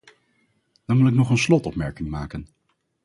Dan wil ik nog een slotopmerking maken.